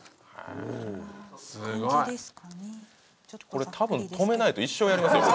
これ多分止めないと一生やりますよ。